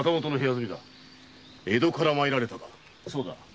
そうだ。